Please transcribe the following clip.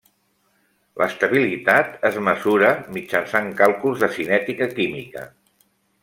L'estabilitat es mesura mitjançant càlculs de cinètica química.